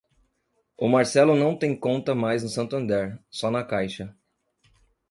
O Marcelo não tem conta mais no Santander, só na Caixa.